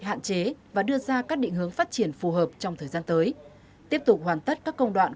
hạn chế và đưa ra các định hướng phát triển phù hợp trong thời gian tới tiếp tục hoàn tất các công đoạn